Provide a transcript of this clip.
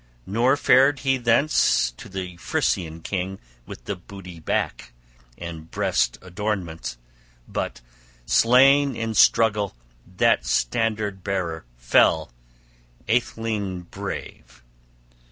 Nor fared he thence to the Frisian king with the booty back, and breast adornments; but, slain in struggle, that standard bearer fell, atheling brave.